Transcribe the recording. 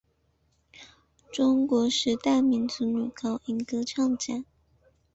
中国十大民族女高音歌唱家。